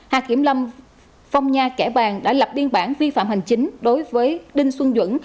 hạt kiểm lâm phong nha kẻ bàng đã lập biên bản vi phạm hành chính đối với đinh xuân dũng